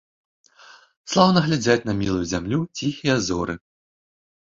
Слаўна глядзяць на мілую зямлю ціхія зоры.